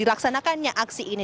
dilaksanakannya aksi ini